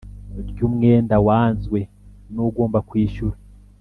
ry umwenda wanzwe n ugomba kwishyura